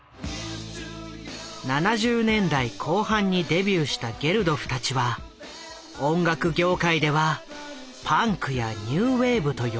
７０年代後半にデビューしたゲルドフたちは音楽業界では「パンク」や「ニューウェーブ」と呼ばれる。